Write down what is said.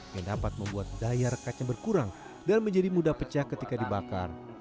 yang dapat membuat daya rekatnya berkurang dan menjadi mudah pecah ketika dibakar